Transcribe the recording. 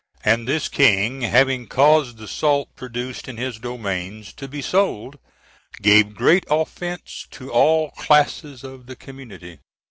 and this king, having caused the salt produced in his domains to be sold, "gave great offence to all classes of the community."